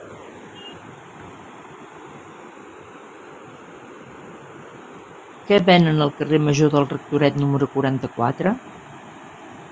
Què venen al carrer Major del Rectoret número quaranta-quatre?